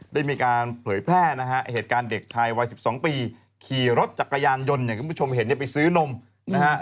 ได้มีการเผยแพร่นะฮะเหตุการณ์เด็กชายวัย๑๒ปีขี่รถจักรยานยนต์อย่างคุณผู้ชมเห็นเนี่ยไปซื้อนมนะฮะ